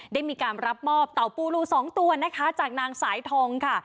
ได้มีการรับมอบเต่าปูรูสองตัวนะคะจากนางสายทองค่ะ